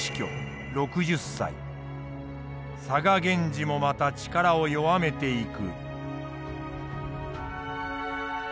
嵯峨源氏もまた力を弱めていく。